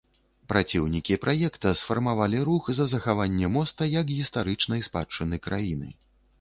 Праціўнікі праекта сфармавалі рух за захаванне моста як гістарычнай спадчыны краіны.